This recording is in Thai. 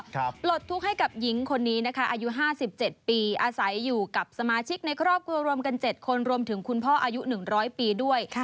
ครับปลดทุกข์ให้กับหญิงคนนี้นะคะอายุห้าสิบเจ็ดปีอาศัยอยู่กับสมาชิกในครอบครัวรวมกันเจ็ดคนรวมถึงคุณพ่ออายุหนึ่งร้อยปีด้วย